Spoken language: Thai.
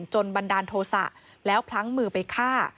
บันดาลโทษะแล้วพลั้งมือไปฆ่า